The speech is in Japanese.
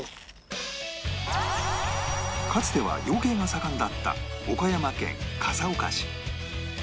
かつては養鶏が盛んだった岡山県笠岡市